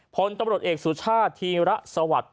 ผลตำรวจเอกสุชาติธีระสวัสดิ์